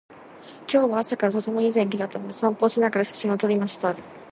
今日は朝からとてもいい天気だったので、散歩をしながら写真を撮りました。